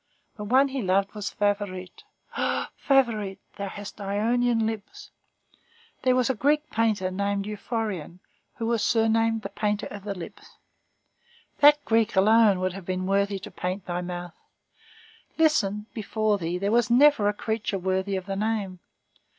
The one he loved was Favourite. O Favourite, thou hast Ionian lips. There was a Greek painter named Euphorion, who was surnamed the painter of the lips. That Greek alone would have been worthy to paint thy mouth. Listen! before thee, there was never a creature worthy of the name.